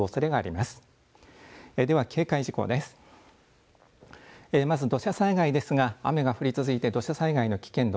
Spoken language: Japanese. まず土砂災害ですが雨が降り続いて土砂災害の危険度